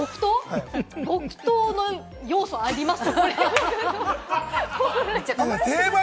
木刀の要素あります？